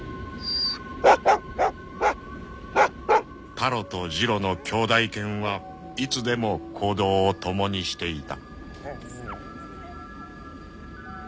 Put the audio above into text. ［タロとジロの兄弟犬はいつでも行動をともにしていた］